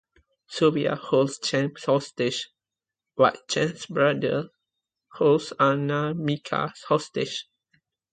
Surya holds Chang hostage, while Chang's brother holds Anamika hostage.